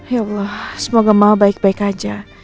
ya allah semoga ma baik baik aja